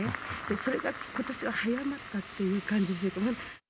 それがことしは早まったっていう感じで。